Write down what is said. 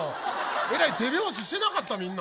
えらい手拍子してなかったみんな。